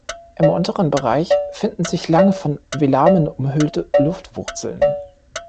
Im unteren Bereich finden sich lange, von Velamen umhüllte Luftwurzeln.